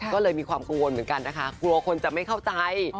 กลัวคนจะไม่เข้าใจ